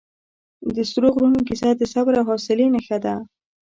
د سرو غرونو کیسه د صبر او حوصلې نښه ده.